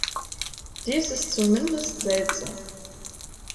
Dies ist zumindest seltsam.